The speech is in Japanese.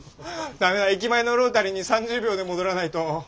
ダメだ駅前のロータリーに３０秒で戻らないと。